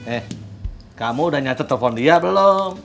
eh kamu udah nyatet telfon dia belum